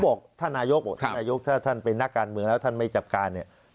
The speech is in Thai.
บอกท่านนายกบอกท่านนายกถ้าท่านเป็นนักการเมืองแล้วท่านไม่จัดการเนี่ย